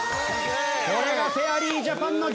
これがフェアリージャパンの柔軟性！